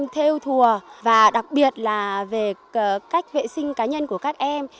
các em theo thùa và đặc biệt là về cách vệ sinh cá nhân của các em